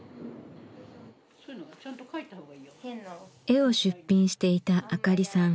絵を出品していたあかりさん。